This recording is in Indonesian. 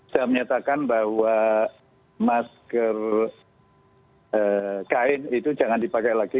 saya menyatakan bahwa masker kain itu jangan dipakai lagi